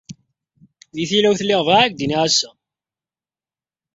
Di tilawt, lliɣ bɣiɣ ad k-d-iniɣ assa.